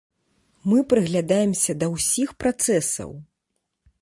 Мы прыглядаемся да ўсіх працэсаў.